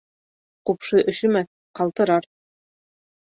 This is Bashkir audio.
Ҡупшы өшөмәҫ, ҡалтырар.